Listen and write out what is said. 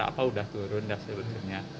apa udah turun